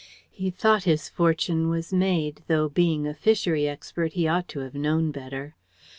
He thought his fortune was made, though, being a fishery expert, he ought to have known better.